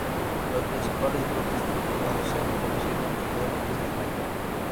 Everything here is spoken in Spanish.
Los principales brotes de tornados se han producido en todos los meses del año.